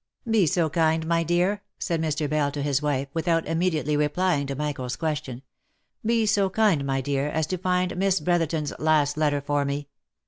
" Be so kind, my dear," said Mr. Bell to his wife, without imme diately replying to Michael's question, —" be so kind, my dear, as to find Miss Brotherton's last letter for me.